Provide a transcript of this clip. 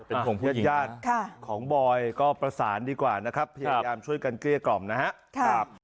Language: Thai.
เป็นห่วงเพื่อนญาติของบอยก็ประสานดีกว่านะครับพยายามช่วยกันเกลี้ยกล่อมนะครับ